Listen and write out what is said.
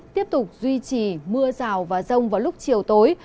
tiếp tục duy trì mưa rào và rông vào lúc chiều tối